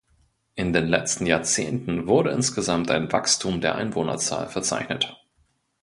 In den letzten Jahrzehnten wurde insgesamt ein Wachstum der Einwohnerzahl verzeichnet.